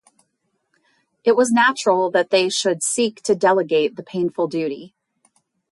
It was natural that they should seek to delegate the painful duty.